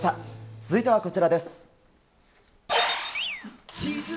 続いてはこちらです。